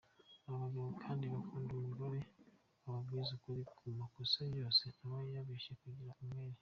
Aba bagabo kandi bakunda umugore wababwiza ukuri ku makosa yakoze aho kubeshya yigira umwere.